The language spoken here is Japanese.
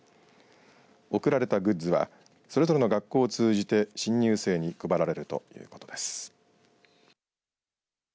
贈られたグッズはそれぞれの学校を通じて新入生に配られるということです。